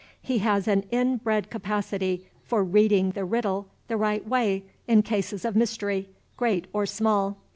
He has an inbred capacity for reading the riddle the right way in cases of mystery, great or small.